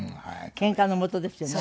けんかのもとですよね